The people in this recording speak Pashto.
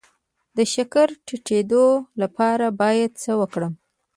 د شکر د ټیټیدو لپاره باید څه وکړم؟